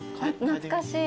懐かしい。